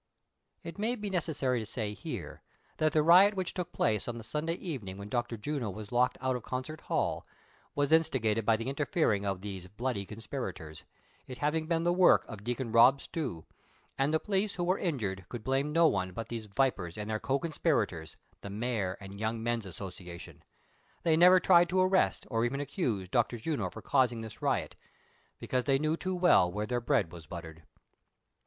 "' It may be necessary to say here, that the riot which took place on the Sunday evening, when Dr. Juno was locked out of Concert Hall, was instigated by the interfering of these bloody conspirators ; it having been the work of Dea con Kob btew ; and the police who were injured could blame no one but these vipers and their co conspirators, the mayor and Yovmg Men's Association. They never tried to arrest, or even accuse, Dr. Juno for causing this riot ; because they knew too well where their bread was buttered.